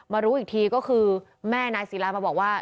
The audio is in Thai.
รู้อีกทีก็คือแม่นายศิลามาบอกว่า